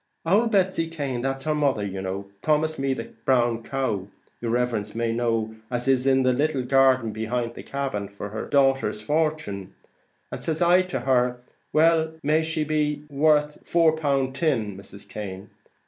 Ould Betsy Cane that's her mother you know promised me the brown cow, yer riverence may know, as is in the little garden behint the cabin, for her dater's fortin; and says I to her, 'Well, may be she may be worth four pound tin, Mrs. Cane.'